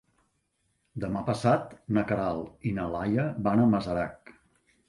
Demà passat na Queralt i na Laia van a Masarac.